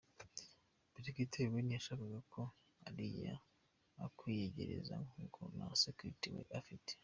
Procureur we ntiyashakaga ko uriya akwiyegereza, kuko nta securite we afite.